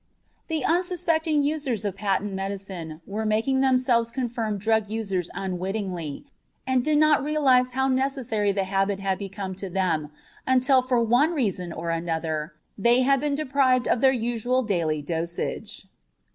The unsuspecting users of patent medicine were making themselves confirmed drug users unwittingly, and did not realize how necessary the habit had become to them until for one reason or another they had been deprived of their usual daily dosage.